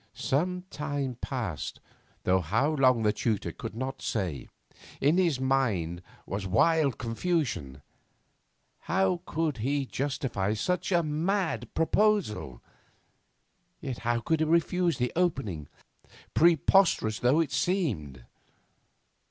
Some time passed, though how long the tutor could not say. In his mind was wild confusion. How could he justify such a mad proposal? Yet how could he refuse the opening, preposterous though it seemed?